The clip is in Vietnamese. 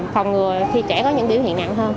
phòng ngừa khi trẻ có những biểu hiện nặng hơn